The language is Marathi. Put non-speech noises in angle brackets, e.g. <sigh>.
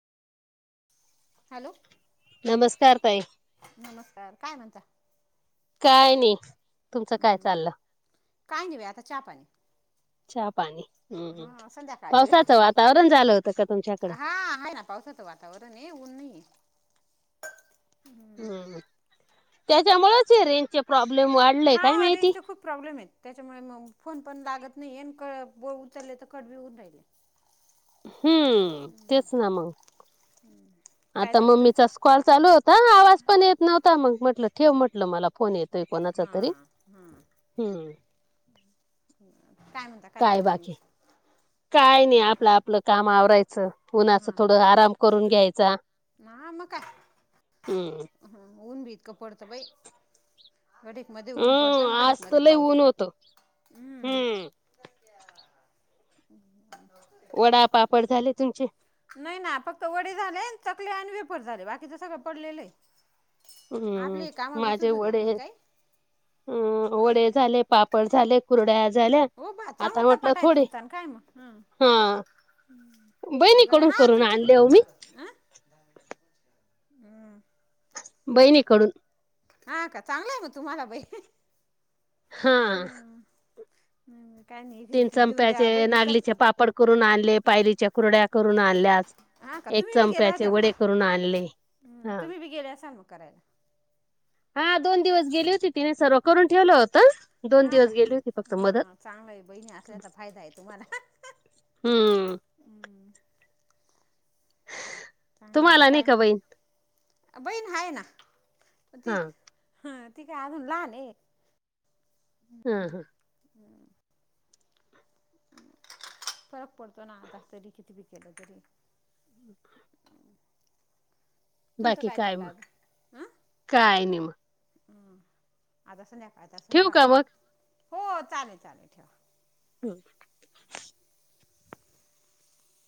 हॅलो नमस्कार ताई नमस्कार काय म्हणता? काय नाही तुमचं हम्म काय हम्म, चाललं काय नाही बाई आता चहा पाणी चहापाणी हा संध्याकाळची वेळ पावसाचं वातावरण झालं होतं का तुमच्याकडे? हा आहे ना पावसाचं वातावरण आहे ऊन नाहीये हम्म हम्म त्याच्यामुळेच हे रेंजचे प्रॉब्लेम वाट हा रेंजचा खूप प्रॉब्लेम आहेत, त्याच्यामुळे मग फोन पण लागत नाही आहे. क ब उचलले तर कट बी होऊन राहिले. हम. तेच ना मग. <inaudible> आता मम्मीचा तुम्ही कॉल चालू होता. आवाज पण येत नव्हता, मग म्हटलं ठेव म्हटलं. मला फोन येतोय कोणाचा तरी. हां हां हम्म. <unintelligible> काय बाकी? तुमचं काय नाही आपलं आपलं काम आवरायचं. उन्हाच हां थोडा आराम करून घ्यायचा. हम्म. ह. ऊन बी इतकं पडत बाई. घडीक मध्ये ऊन पडतं हम्म आणि आज घडीक तर मध्ये लय पाऊस ऊन येतो. होत हम्म. वडा पापड झाले तुमचे? नाही ना. फक्त वडे झाले, चकल्या आणि वेफर झाले. बाकीच सगळं पडलेलं आहे. आपलली काम हम्म बी सुचू देत नाही काही. हम्म, वडे झाले, पापड झाले, कुरड्या आज हो बा चांगला चपाटा आहे तुमचा. काय न मग? हा बरं बहिणीकडून हा करून तुमची बी आणले हो मी हम्. बहिणीकडून. हा का, चांगलं आहे मग तुम्हाला बाई. हा हा. तीन चंप्याचे विकत नागलीचे पापड करून आणले, पायलीच्या कुरड्या करून आणल्या. हा का एक तुम्ही बी गेल्या चमप्याचे होत्या मग वडे करून आणले. हं, हा! तुम्ही बी गेले असाल मग करायला हा दोन दिवस गेली होती तिने सर्व करून ठेवलं होतं. दोन हा का दिवस गेली होती फक्त मदत. हा चांगलं आहे, बहिणी असल्याचा फायदा आहे तुम्हाला. हम्म. चांगले मग तुम्हाला नाही काय. का बहीण बहीण आहे ना. हा तीच हं ती काय अजून लहान आहे. हम्म. <inaudible> फरक पडतो ना. आता तरी किती बी केलं तरी. <inaudible> तुमचं बाकी काय चाललं मग आज? हं. काय नाही मग ह आता संध्याकाळचा ठेवू स्वयंपाक. का मग हो चालेल ठेवा. हम्म.